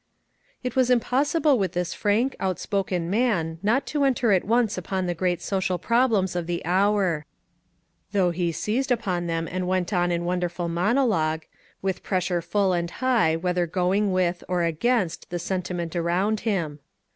It was impossible with this frank, outspoken man not to enter at once upon the great social problems of the hour ; though he seized upon them and went on in wonderful mono logue, — with pressure full and high whether going with or against the sentiment around him.